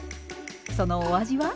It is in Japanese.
そのお味は？